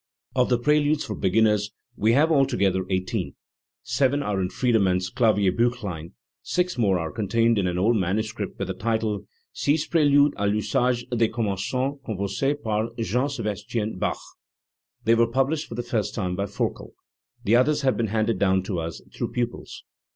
Of the preludes for beginners we have altogether eighteen.* Seven are in Friedemann's Klavierbiichlein; six more are contained in an old manuscript with the title, Six PrSludes a Pusage des Commengants composes par Jean S&bastien Bach: they were published for the first time by Forkel. The others have been handed down to us through pupils.